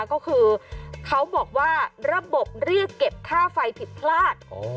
ก็คือเขาบอกว่าระบบเรียกเก็บค่าไฟผิดพลาด